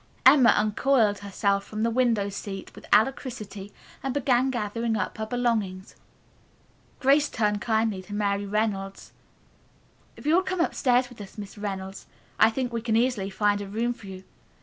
Emma uncoiled herself from the window seat with alacrity and began gathering up her belongings. Grace turned kindly to Mary Reynolds. "If you will come upstairs with us, Miss Reynolds, I think we can easily find a room for you.